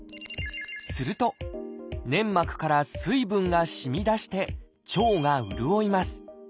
すると粘膜から水分がしみ出して腸が潤います。